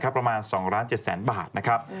ประมาณ๒๗๐๐๐บาทนะครับ